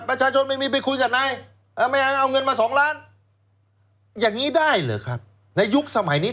ประชาชนไม่มีไปคุยกับนาย